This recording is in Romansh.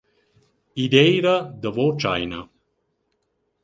Id eira davo tschaina.